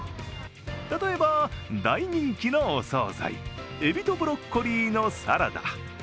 例えば大人気のお総菜海老とブロッコリーのサラダ。